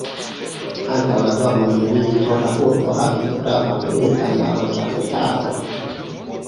Antaŭ la Dua mondmilito, la urbo havis gravan judan loĝantaron.